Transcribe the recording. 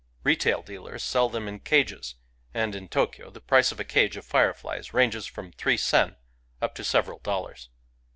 Retail dealers sell them in cages; and in Tokyo the price of a cage of fireflies ranges from three sen up to several dollars.